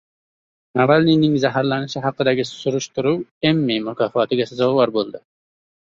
Navalniyning zaharlanishi haqidagi surishtiruv «Emmi» mukofotiga sazovor bo‘ldi